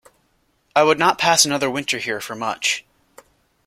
I would not pass another winter here for much.